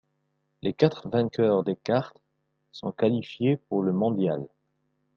Les quatre vainqueurs des quarts sont qualifiés pour le Mondial.